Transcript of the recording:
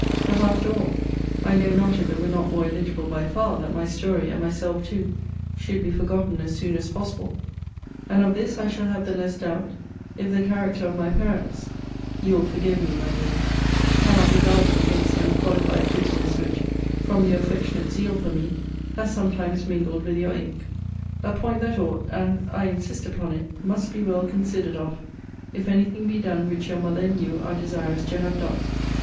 But after all, I know not if it were not more eligible by far, that my story, and myself too, should be forgotten as soon as possible. And of this I shall have the less doubt, if the character of my parents [you will forgive my, my dear] cannot be guarded against the unqualified bitterness which, from your affectionate zeal for me, has sometimes mingled with your ink a point that ought, and (I insist upon it) must be well considered of, if any thing be done which your mother and you are desirous to have done.